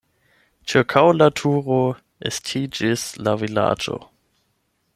Ĉirkaŭ la turo estiĝis la vilaĝo.